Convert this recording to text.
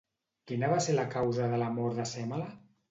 Quina va ser la causa de la mort de Sèmele?